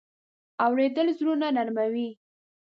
اورېدل زړونه نرمه وي.